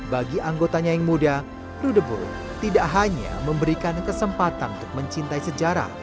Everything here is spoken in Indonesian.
bagi anggotanya yang muda rudebook tidak hanya memberikan kesempatan untuk mencintai sejarah